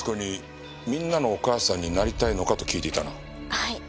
はい。